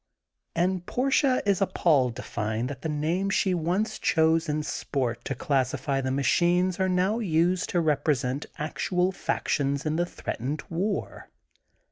And Portia is appalled to find that the names she once chose in, sport "to classify the machines are now used to rep resent actual factions in the threatened war.